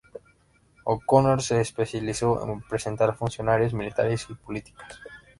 O’Connor se especializó en representar funcionarios, militares y policías.